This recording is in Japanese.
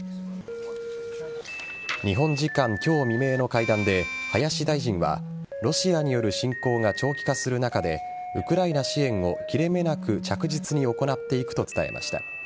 日本時間今日未明の会談で林大臣はロシアによる侵攻が長期化する中でウクライナ支援を切れ目なく着実に行っていくと伝えました。